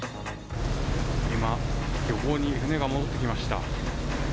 今、漁港に船が戻ってきました。